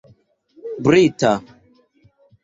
brita